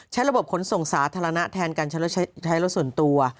ระบบขนส่งสาธารณะแทนการใช้รถส่วนตัว